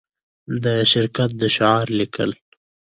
د شرکت د شعار لیکل